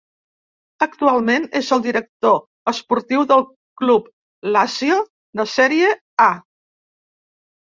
Actualment és el director esportiu del club Lazio, de Sèrie A.